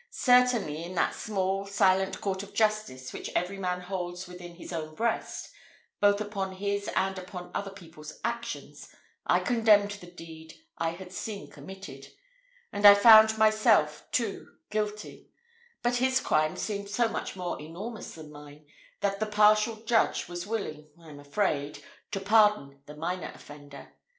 Certainly, in that small, silent court of justice which every man holds within his own breast, both upon his and upon other people's actions, I condemned the deed I had seen committed; and I found myself, too, guilty; but his crime seemed so much more enormous than mine, that the partial judge was willing, I am afraid, to pardon the minor offender.